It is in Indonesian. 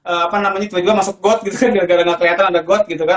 apa namanya masuk got gitu kan karena keliatan ada got gitu kan